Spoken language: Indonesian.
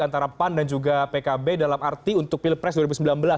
antara pan dan juga pkb dalam arti untuk pilpres dua ribu sembilan belas